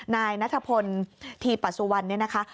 นายนัทพลทีปสุวรรณเนี่ยนะคะ